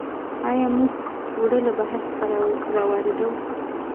آیا موږ اوړه له بهر څخه واردوو؟